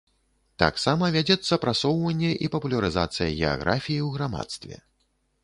Таксама вядзецца прасоўванне і папулярызацыя геаграфіі ў грамадстве.